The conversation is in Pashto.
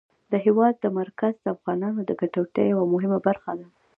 د هېواد مرکز د افغانانو د ګټورتیا یوه مهمه برخه ده.